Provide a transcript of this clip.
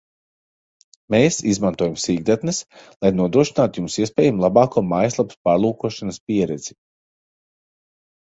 Mēs izmantojam sīkdatnes, lai nodrošinātu Jums iespējami labāko mājaslapas pārlūkošanas pieredzi